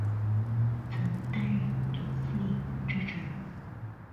曾担任总司令之职。